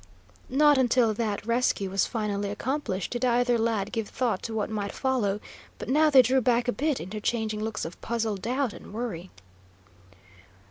Not until that rescue was finally accomplished did either lad give thought to what might follow; but now they drew back a bit, interchanging looks of puzzled doubt and worry.